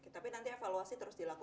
tapi nanti evaluasi terus dilakukan